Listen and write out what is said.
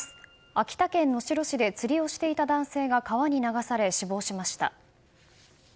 秋田県能代市で釣りをしていた男性が川に流され死亡しました。